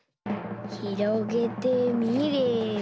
ひろげてみれば。